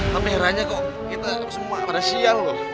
kameranya kok kita semua pada siang loh